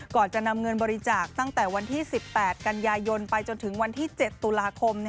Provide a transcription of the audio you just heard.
ก่อนจะนำเงินบริจาคตั้งแต่วันที่๑๘กันยายนไปจนถึงวันที่๗ตุลาคม